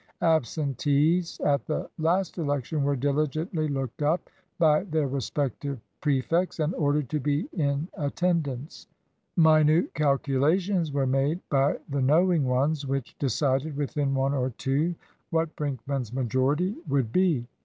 Absentees at the last election were diligently looked up by their respective prefects, and ordered to be in attendance. Minute calculations were made by the knowing ones, which decided within one or two what Brinkman's majority would be.